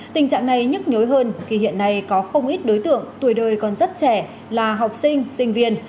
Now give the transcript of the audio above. tình trạng này nhức nhối hơn khi hiện nay có không ít đối tượng tuổi đời còn rất trẻ là học sinh sinh viên